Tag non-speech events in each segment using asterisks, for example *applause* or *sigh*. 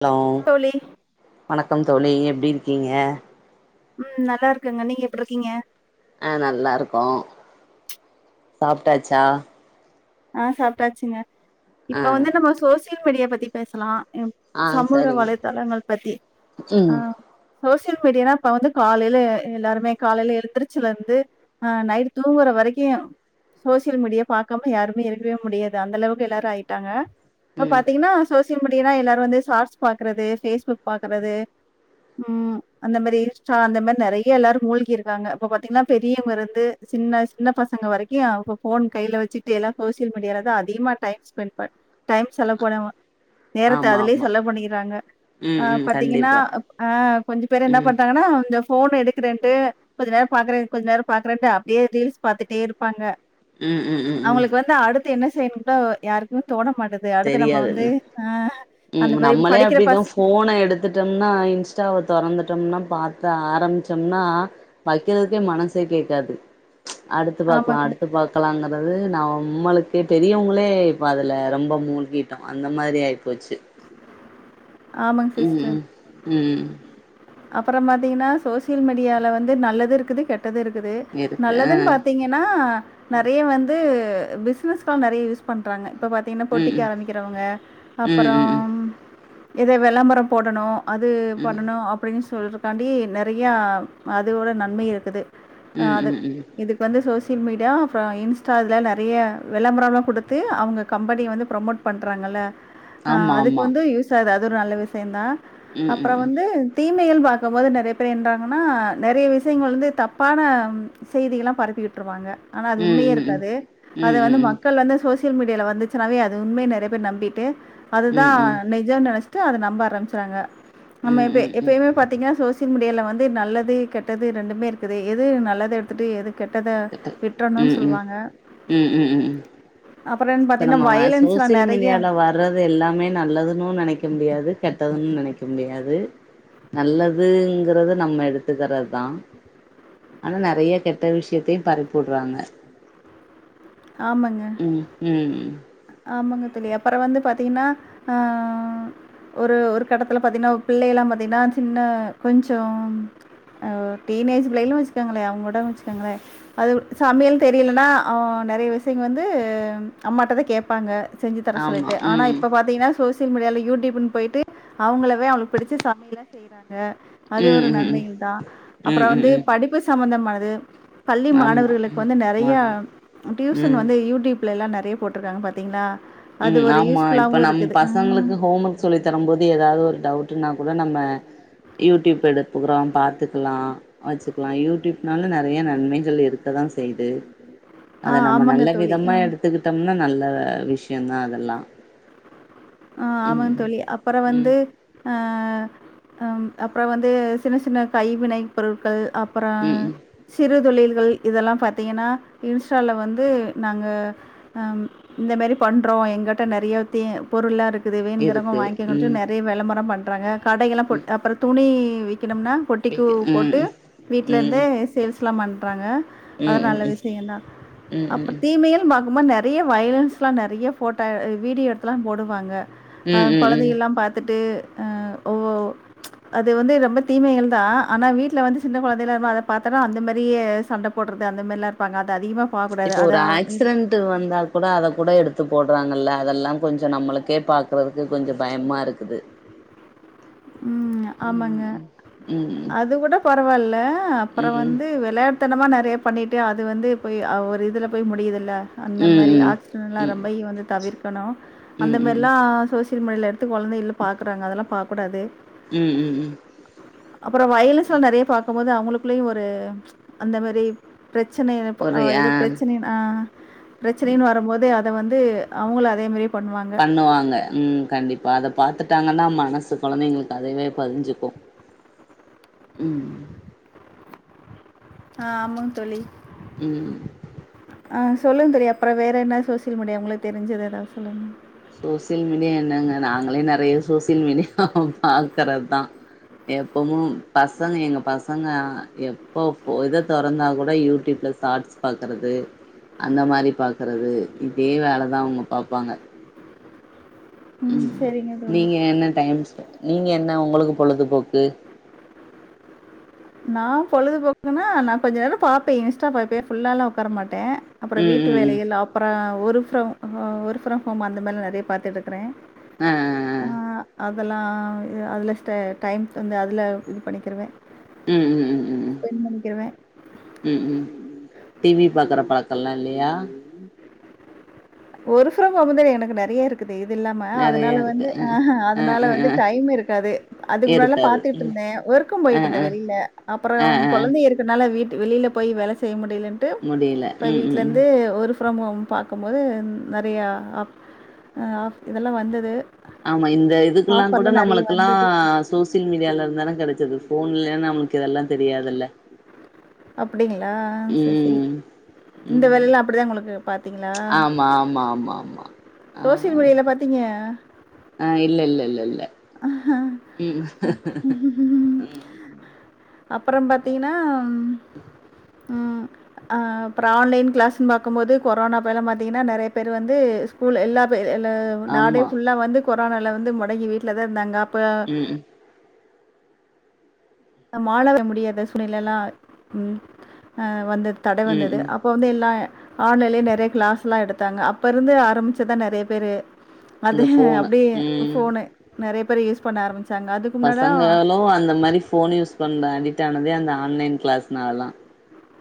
Allow தோழி வணக்கம் தோழி எப்டி இருக்கீங்க ம் நல்லா இருக்கங்க நீங்க எப்டிருக்கீங்க ஆ நல்லா இருக்கோ சாப்ட்டாச்சா ஆ சாப்ட்டாச்சுங்க ஆ இப்ப வந்து நம்ம சோசியல் மீடியா பத்தி பேசலா அ ஆ சமூக சரிங்க வலைத்தளங்கள் பத்தி ஆ ம் சோசியல் மீடியானா இப்ப வந்து காலைல எல்லாருமே காலைல எழுந்திருச்ச வந்து ஆ நைட்டு தூங்குற வரைக்கு சோசியல் மீடியா பாக்காம யாருமே இருக்கவே முடியாது அந்த அளவுக்கு எல்லாரு ஆயிட்டாங்க இப்ப ம் பாத்தீங்கன்னா சோசியல் மீடியான்னா எல்லாரு வந்து சார்ட்ஸ் பாக்கறது ஃபேஸ்புக் பாக்கறது ம் அந்த மாரி இன்ஸ்ட்டா அந்த மாரி நறைய எல்லாரு மூழ்கி இருக்காங்க இப்ப பாத்தீங்கன்னா பெரியவங்க இருந்து சின்ன சின்ன பசங்க வரைக் கு ஃபோன் கையில வச்சிட்டு எல்லா சோசியல் மீடியால தா அதிகமா டைம் ஸ்பெண்ட் பண் டைம் செலவு பன நேரத்த ஆமா அதுலயே ஆமா செலவு பண்ணிக்கறாங்க ஆ ம் ம் பாத்தீங்கன்னா கண்டிப்பா ஆ கொஞ்சோ பேர் என்ன ம் பண்டாங்கன்னா இந்த ஃபோன் எடுக்கறன்ட்டு கொஞ்ச நேரோ பாக்குற கொஞ்ச நேரோ பாக்குறன்ட்டு அப்டியே ரீல்ஸ் பாத்துட்டே இருப்பாங்க ம் ம் ம் ம் அவங்களுக்கு அடுத்து என்ன செய்ணுன்ட்டு யாருக்குமே தோண மாட்டுது அ அடுத்து நம்ம தெரியாது வந்து ஆ அந்த மாரி படிக்கிற பசங் போன எடுத் துட்டோம்னா இன்ஸ்டாவ தொறந்துட்டோம்னா பாக்க ஆரம்பிச்சோம்னா வைக்கிறதுக்கே மனசே கேக்காது அடுத்து பாக்கலா ஆமாங்க, அடுத்து பா க்கலாங்கறது நா நம்மளுக்கே பெரியவுங்களே இப்ப அதுல ரொம்ப மூழ்கிட்டோ அந்த மாரி ஆயி போச்சு ஆமாங் சிஸ்டர் ம் ம் அப்புறோ பாத்திங்கன்னா சோசியல் மீடியாவில வந்து நல்லது இருக்குது கெட்டது இருக்குது இருக்கு ஆ நல்லதுன் பாத்தீங்கன்னா நெறைய வந்து பிஸ்னஸ்கலா நெறைய யூஸ் பண்றாங்க இப்ப பாத்தீங்கன்னா ம் பொட்டிக் ம் ஆரம்பிக்கிறவங்க ம் ம் ம் அப்புறம் எதோ விளம்பரம் போடணு அது ம் பண்ணணு அப்டின்னு சொல் தாண்டி நறையா அதோட நன்மை இருக்குது ம் அது ம் ம் இதுக் கு வந்து சோசியல் மீடியா அப்புறோ இன்ஸ்டா இதுல நறைய விளம்பரோலா குடுத்து அவுங்க கம்பெனி வந்து ப்ரொமோட் பண்றாங்க அ ஆமா அதுக்கு ஆமா வந்து யூஸ் ஆது அது ஒரு நல்ல விஷயோந்தா ம் அப்புறோ ம் வந்து தீமைகள் பாக்கும்போது நறைய பேர் என்றாங்கன்னா நறைய விஷயங்கள் வந்து தப்பான செய்திகள்லா பரப்பி வுட்ருவாங்க ஆனா அது ம் உண்மையே ம் ம் ம் ம் இருக்காது அத வந்து ம் ம் ம் மக்கள் வந்து சோசிய யல் மீடியால வந்துச்சுனாவே அது உண்மை நெறைய பேர் நம்பிட்டு அதுதா ம் நெ ஜோனு நெனச்சுட்டு அத நம்ப ஆரம்பிச்சராங்க நம ம் எப்ப ம் ம் எப்பைமே பாத்தீங்கன்னா சோசி தின் முடியல வந்து நல்லது கெட்டது ரெண்டுமே இருக்குது எது நல்லது எடுத்துட்டு எது கெட்டத கரெக்ட்டு விட்டர்ணு ம் ம் சொல்லுவாங்க ம் ம் ம் ம் அப்புறன் பாத்தீங்னா வயலன்ஸ்ல நறையா பிறது எல்லாமே நல்லதுன்னு நெனைக்க முடியாது கெட்டதுன்னு நெனைக்க முடியாது நல்லதுங்கறத நம்ம எடுத்துக்கற தா ஆனா நறைய கெட்ட விஷயத்தையு பறிப்புடுறாங்க ஆமாங்க. ம் ம் ஆமாங்க தோழி அப்பற வந்து பார்த்தீங்கன்னா அ ஒரு ஒரு கட்டத்துல பாத்தீங்கன்னா பிள்ளகள் எல்லாம் பாத்தீங்கன்னா சின்ன கொஞ்சம் அ டீனேஜ் பிள்ளைகளு வச்சுக்கோங்ளே அவுங் கூட வச்சுக்கோங்ளே அது சமையல் தெரியலன்னா அ நெறைய விஷ்யங் வந்து அம்மாட்டதா கேப்பாங்க செஞ்சு தர ஆமா சொல்லிட்டு ஆனா ம் இப்ப பாத்தீங்கன்னா சோசி சோசியல் மீடியால யூடியூப்ன்னு போயிட்டு அவுங்களவே அவளுக்கு பிடிச்ச சமையல்ல செய்றாங்க அது ம் ஒரு ம் ம் நன்மைகள் தா ம் அப்றோ ம் வந்து ம் படிப்பு சம்பந்தமானது பள்ளி ஆமா மாணவர்களுக்கு ம் வந்து நறையா மாறாங்க டியூசன் ம் வந்து யூடியூப்ல எல்லா நறைய போட்ருக்காங்க பாத்தீங்ளா ம் ஆமா இப்ப நம் பசங்களுக்கு ஹோம் ஒர்க் சொல்லி தரும் போது ஏதாவது ஒரு டவுட்ன்னா கூட நம்ம யூடியூப் எடுப்புகுறோ பார்த்துக்லா வச்சுக்லா யூடியூப்னாலு நறைய நன்மைகள் இருக்கதா செய்து அத ஆ நம்ம ஆமாங்க நல்ல தோழி. அ. விதமா எடுத்துக்கிட்டோம்னா நல்ல விஷயதா அதெல்லா ஆ ஆமாம் ம் தோழி அப்பறம் ம் வந்து அ அப்புறம் வந்து சின்ன சின்ன கைவினை பொருட்கள் அப் அப்புறோ ம் ம் சிறு தொழில்கள் இதெல்லா பாத்தீங்கன்னா இன்ஸ்டால வந்து நாங்க அம் இந்த மாரி பண்றோ எங்கிட்ட நறையா தே பொருளா இருக்குது வேனுங்கிறவுங்க இருக்கு வாங்கிக்கங்ட்டு ம் நறைய விளம்பரம் பண்றாங்க கடைகல்லா போட் அப்பற துணி விக்கணும்னா ம் பொட்டிக்கு ம் போட்டு ம் வீட்ல ம் இருந்தே சேல்ஸ்லா பண்றாங்க அ ம் ம் நல்ல ம் விஷய தா அப்ற ம் தீமையில் பாக்கமா நிறைய வைலன்ஸ்ல்லாம் நிறைய போட்டோ வீடியோ எடுத்துல்லாம் போடுவாங்க அ ம் ம் ம் கொழந்தைகள்லா பார்த்துட்டு அ ஒ அது வந்து ரொம்ப தீமைகள் தான் ஆனா வீட்டுல வந்து சின்ன குழந்தைகள்ல்லா இருக்கும்போது அத பாத்தாம்னா அந்த மாறியே சண்ட போட்டுறது அந்த மாறில்லாம் இருப்பாங்க அது அதிகமா போக்கூடாது அதா விட்டு வந்தா கூட அத கூட எடுத்து போட்றாங்கல்ல அதெல்லா கொஞ்ச நம்மளுக்கே பார்க்கறதுக்கு கொஞ்ச பயமா இருக் அது ம் ஆமாங்க ம் அது கூட பரவால்ல அப்ற ம் ம் வந்து விளையா ட்டுத்தனமாக நெறையா பண்ணிட்டு அது வந்து போய் ஒரு இதில போய் முடியிதில்ல அந்த மாரி ம் ம் ஆக்சிடன்ல்லா ரொம்பயி வந்து தவிர்க்கணு அந்த ம் மாரிலா சோசியல் மீடியல த்து கொழந்தையில்லு பாக்குறாங்க அதெல்லா பாக்கூடாது ம் ம் ம் அப்றோ வய்லன்ஸ்ல நெறைய பாக்கும் போது அவுங்களுக்குள்ளயு ஒரு அந்த மாரி பிரச்சனை ஆ எதோ பிரச்சனை ஆ பிரச்சனைன்னு வரும்போது அத வந்து அவங்கள அதே மாரியே பண்ணுவாங் பண்ணுவாங்க ம் கண்டிப்பா அத பாத்துட்டாங்கன்னா மனசு கொழந்தைங்களுக்கு அதுவே பதிஞ்சுக்கு ம் ஆ ஆமாங் தோழி ம் ஆ சொல்லுங்க தெரியு அப்பற வேற என்ன சோசியல் மீடியா உங்களுக் தெரிஞ்சது எதாவது சொல்லுங்க சோசியல் மீடியா என்னங்க நாங்களே நெறைய சோசியல் மீடியா பாக்குறதுதா எப்பமு பசங்க எங்க பசங்க எப்போ இதை தொறந்தா கூட யூடியூப்ல ஷார்ட்ஸ் பாக்கறது அந்த மாரி பாக்கறது இதே வேலை தா அவங்க பாப்பாங்க ம் சரிங்க தோழி. நீங்க என்ன டைம்ஸ் நீங்க என்ன உங்களுக்கு பொழுது போக்கு நா பொழுதுபோக்குன்னா நா கொஞ்சு நேர பாப்பே இன்ஸ்டா பாப்பே ஃபுல்லாலா உக்கார மாட்டே அப்புறோ ம் வீட்டு ம் ம் வேலைகள் அப்புறோ work from work from home அந்த மாரி நெறேய பாத்துட்டுருக்குறே ஆ ஆ ஆ அதெல்லா அதுல ஸ்ட டைம் வந்து அதுல இது பண்ணிக்கிருவே ம் ம் ம் ம் பண்ணிக்கிறுவே ம் ம் டி வி பாக்குற பழக்கோல்லா இல்லையா ஒர்க் ஃப்ரம் ஹோம் அதுல எனக்கு நெறைய இருக்கு இருக்குது இது இல்லாம நெறைய அதனால இருக்கு வந்து ஹ அ அதனால அ வந்து அ டைம் இருக்காது அதுக்கு முன்னாடில்லா இருக்காது பாத்துட்டு ம் இருந்தே ஒர்க்கு அ போயிட்டு இருந்தே அ வெளியில அப்புறோ அ அ கொழந்தைக இருக்கனால வீட்டு வெளியில போய் வேலை செய்ய முடியலன்னு ட்டு முடியல இப்ப ம் ம் வீட்டுல ம் இருந்த ஒரு ஃபிரம் ஹோம் பாக்கும்போது நெறையா ஆப் ஆப் இதெல்லா வந்தது ஆமா இந்த இதுக்கெல்லா கூட ஆஃபர்லாம் நெறைய நம்மளுக்கெல்லா வந்தது. சோசியல் மீடியால இருந்தான கிடைச்சது போன்ல நமக்கு இதெல்லா தெரியாதுல்ல அப்டிங்களா சரி சரி ம் இந்த ம் வேலைலா அப்டிதா உங்களுக்கு பாத்தீங்களா ஆமா ஆமா ஆமா ஆமா ஆ சோசியல் மீடியால பாத்தீங்க ஆ இல்ல இல்ல இல்ல இல்ல உம் உம் அப்பறோ பாத்தீங்கன்னா ம் அ அப்புறோ ஆன்லைன் கிளாஸ்னு பாக்கும்போது கொரோனா அப்பியேல்லா பாத்திங்கன்னா நெறைய பேர் வந்து ஸ்கூல் எல்லா பேர் எல்லா நாடே ஆமா புல்லா வந்து கொரோனால வந்து மொடங்கி வீட்ல தா இருந்தாங்க அப்ப ம் மாழ முடியாத சூழ்நிலைல்லா ம் ஆ வந்தது தடை ம் வந்தது அ ம் அப்போ வந்து எல்லா ஆன்லைன்லேயே நெறைய கிளாஸ்லா எடுத்தாங்க அப்ப இருந்து ஆரம்பிச்சதா நெறைய பேர் அது அந்த ஃபோனு அப்டியே ம் போனு நெறைய பேரு யூஸ் பண்ண ஆரம்பிச்ச பசங்களு அந்த மாரி போன் யூஸ் ரொம்ப அடிட் ஆனதே அந்த ஆன்லைன் கிளாஸ்னால தா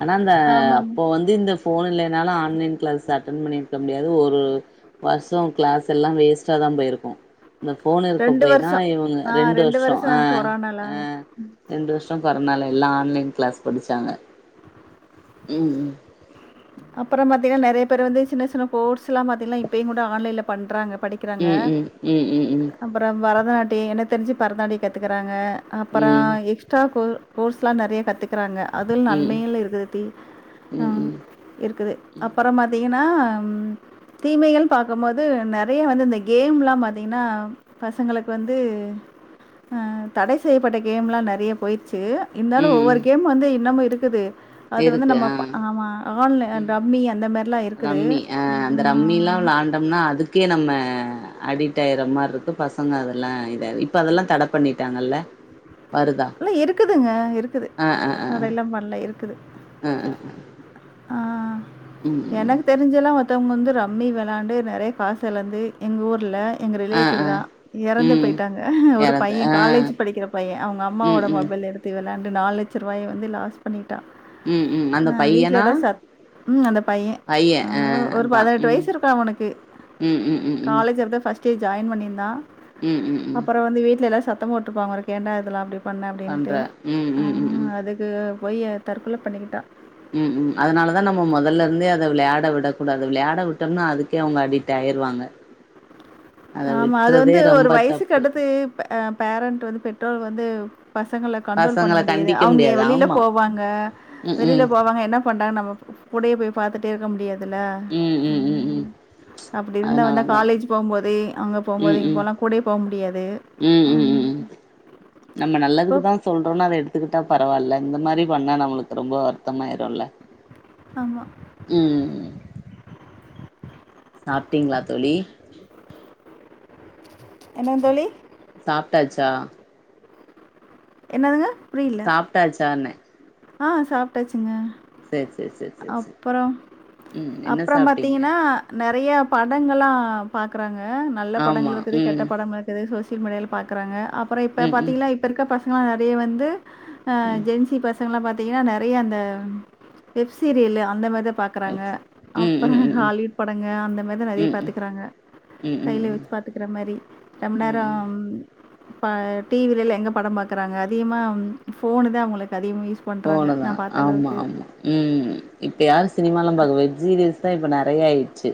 ஆனா அந்த ஆமாங்க. அப்போ வந்து இந்த போன் இல்லைனாலு ஆன்லைன் கிளாஸ் அட்டன் பண்ணிருக்க முடியாது ஒரு வருஷம் கிளாஸ் எல்லா வேஸ்ட்டா தா போயிருக்கு இந்த போன் இருக்க போய் தா வருஷம். இவங்க ஆ ரெண்டு வருஷோ ஆ வருஷம் கொரோனால ஆ ரெண்டு வருஷோ கொரோனால எல்லா ஆன்லைன் கிளாஸ் படிச்சாங்க உம் உம் அப்புற பாத்தீங்கன்னா நெறைய பேரு வந்து சின்ன சின்ன கோர்ஸ் எல்லா பாத்தீங்கன்னா இப்பயு கூட ஆன்லைன்ல பண்றாங்க படிக் உம் உம் உம் உம் உம் அப்புற பரதநாட்டிய எனக்கு தெரிஞ்சு பரதநாட்டிய கத்துக்கறாங்க ம் அப்பறோ ம் எக்ஸ்ட்ரா கோ கோஸ்லா நெறைய கத்துக்குறாங்க அதுல ம் ம் நன்மைகளு இருக்குது தீ ம் ஆ ம் இருக்குது அப்புற பாத்தீங்கன்னா ம் தீமைகள் பாக்கும்போது நெறைய வந்து இந்த கேம்லா பாத்திங்கன்னா பசங்களுக்கு வந்து தடை செய்யப்பட்ட கேம்லா நெறையா போயிடுச்சு இருந்தாலு ம் ம் ஒவ்வொரு கேம் வந்து இன்னமு இருக்குது அது வந்து இருக்கு நம்ம ஆ ஆமா ஆன்லை ம் ரம்மி அந்த மாரிலா இருக்குது ரம்மி ஆ ஆ அந்த ரம்மில்லா விளாண்டோம்னா அதுக்கே நம்ம அடிக்ட்டாயிர மாரி இருக்கு பசங்க அதெல்லா இத இப்ப அதெல்லா தடை பண்ணிட்டாங்கல்ல வருதா எல்ல இருக்குதுங்க இருக்குது தடைல்லா பண்ல இருக்குது அ அ ஆ உம் எனக் தெரிஞ்செல்லா ஒருத்தவங்க வந்து ரம்மி வெளாண்டு நெறைய காஸ் எழந்து எங்க ஊர்ல எங்க ஆ ரிலேட்டிவ் ஆ தா எறந்து ம் போயிட்டாங்க ஒரு எறந்து பைய ஆ காலேஜு படிக்கிற பைய அவங்க அப் ம் அம்மாவோட ம் மொபைல்ல எடுத்து வெள்ளாண்டு நால் லட்ச ரூபாய வந்து லாஸ் பண்ணிட்டா ம் ம் அந்த ஆ வீட்ல பையனா எல்லா ச உம் அந்த பைய அ ஒரு பதினெட்டு வயசு இருக்கு அவனுக்கு உம் உம் உம் உம் சே ஜாயின் பண்ணியிருந்தா ம் ம் அப்பறோ வந்து வீட்ல எல்லாரு சத்த போட்ருப்பாங்க்ளாருக்கு ஏண்டா இதெலா அப்டி பண்ண பண்ற அப்டின்ட்டு ம் ம் அ ம் ம் அதுக்கு போயி தற்கொல பண்ணிக்கிட்டா உம் உம் அதனாலதா நம்ம மொதல்ல இருந்தே அத விளையாட விடக்கூடாது விளையாட விட்டோம்னா அதுக்கே அவங்க அடிட் ஆயிருவாங்க *inaudible* ஆமா அது விட்றதே வந்து ஒரு ரொம்ப தப்பு வயசுக்கடுத்து பே அ பேரண்ட் வந்து பெற்றோர்க வந்து பசங்கள கண்ட்ரோல் பண்ண பசங்கள முடியாது கண்டிக்க அவங்க எ முடியாது வெளியில ஆமா போவாங்க ம் ம் வெளியில போவாங்க என்ன பண்றாங் நம்ம கூடயே போய் பாத்துட்டே இருக்க முடியாது தில்ல ம் அப்டி இருந்தா வந்தா அதனாலதா காலேஜு போம்போதே அங்க போகும்போது ம் இங் ம் போலா கூடயே போக் முடியாது ம் *inaudible* நம்ம நல்லதுக்கு பப் தா சொல்றோன் அத எடுத்துக்கிட்டா பரவால்ல இந்த மாரி பண்ணா நம்முளுக் ரொம்போ வருத்தமாயிருல ஆம்மா உம் சாப்ட்டீங்க்ளா தோழி என்னங் தோழி சாப்ட்டாச்சா என்னதுங்க புரியல சாப்ட்டாச்சான்னே ஆ சாப்ட்டாச்சுங்க சேரி சேரி சேரி சேரி சேரி அப்பறோ ம் என்ன அப்றோ சாப்ட்டீங்க பாத்தீங்கனா நெறைய படங்கள்ளா பாக்கறாங்க நல்ல ஆமா படங்கள் இருக்குது கெட்ட ம் படங்கள் இருக் பிறகு சோசியல் மீடியால்ல பாக்கறாங்க அப்பறோ இப்போ ம் ம் பாத்தீங்ளா இப்போ இருக்க பசங்களா நெறைய வந்து ஆ ஜென்சி பசங்க்ல்லா பாத்தீங்கனா நெறைய அந்த வெப் சீரியலு அந்த மேர்தா பா க்றாங்க ஓகே ம் அப்பற ம் ம் ம் ஹாலிவுட் படங்க அந்த மேர்தா நெறைய ம் ம் பாத்துக்கறாங்க ம் ம் கையில வச்சு ம் பாத்துக்கற மாரி ரொம்ப ம் ம் நேரம் இப்ப டி வி லெல்லா எங்க படம் பாக்கறாங்க அதிகமா ம் ஃபோனு தா அவங்களுக்கு அதிகமே ஃபோனதா ஆம்மா ஆமா உம் இப்ப யாரு சினிமால்லா பாக்க போய் வெப் சீரியஸ் தா இப்ப நெறைய ஆயிட்ச்சு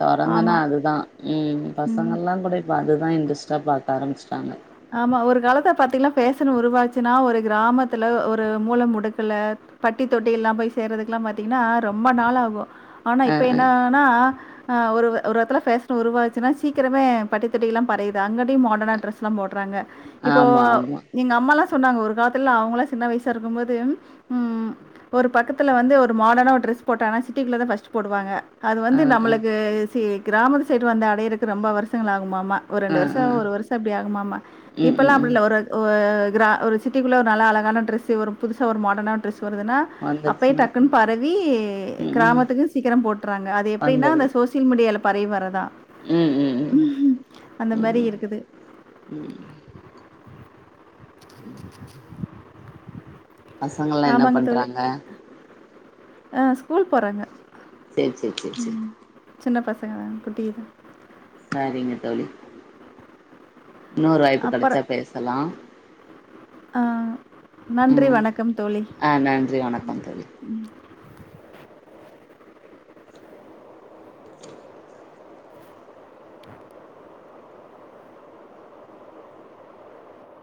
தொறந்தனா ஆமா அது தா ம்ம் ம். பசங்கள்லா கூட இப்போ அதுதா இன்ட்ரெஸ்ட்டா பாக்க ஆரமிச்சட்டாங்க ஆமா ஒரு காலத்தல பாத்தீங்கனா ஃபேஷன் உருவாச்சுனா ஒரு கிராமத்துல ஒ ஒரு மூல முடுக்குல்ல பட்டி தொட்டியெல்லாம் போய் சேர்ரதுக்லா பாத்தீங்கனா ரொம்ப நாள் ஆகு ஆனா அ இப்ப அ என்னான்னா அ ஒருவ ஒரு எடத்தில ஃபேஷன் உருவாச்சுனா சீக்கிரமே பட்டித்தொட்டிக்லா பரயிது அங்கடி மாடனான ட்ரெஸ்லா போட்றாங்க இப்போ ஆமா ஆமா எங்க அம்மால்லா சொன்னாங்க ஒரு காலத்துல்ல அவங்களா சின்ன வயசா இருக்கும் போது உம் ஒரு பக்கத்துல வந்து ஒரு மாடர்னா ஒரு ட்ரெஸ் போட்டானா சிட்டிக்குல தா ஃபர்ஸ்ட் போடுவாங்க அது அ வந்து அ நம்மளுக்கு சி கிராமத்து சைடு வந்து அடையறக்கு ரொம்ப வருஷங்கள் ஆகுமாமா ஒரு அ ரெண்டு வருசோ அ ஒரு வருசோ அப்டி ஆகுமாமா ம் இப்பெல்லா ம் அப்டி ம் இல்ல ஒரு வருச ஒ அ க்ரா ஒரு சிட்டிக்குள்ளே ஒரு நல்லா அழகான ட்ரெஸ்சு ஒரு புதுசா ஒரு மாடனான ட்ரெஸ் வருதுன்னா அப்பயே வந்துருச்சுன்னா டக்குன் பரவி ம் ம் கிராமத்துக்குன் சீக்கரோ போட்றாங்க அது எப்டின்னா வந்தது அந்த சு சோசியல் மீடியால பரவி வரதா ம் ம் ம் அந்த மாரி இருக்குது ம் உம் பசங்கள்லா என்ன பண்றாங்க அ ஸ்கூல் போறாங்க சேரி சேரி சேரி சேரி ம். சின்ன பசங்க தா குட்டிதா சரிங்க தோழி இன்னோரு வாய்ப்பு கெடச்சா பேசலா அ நன்றி ம் வணக்கம் தோழி ஆ நன்றி வணக்கம் தோழி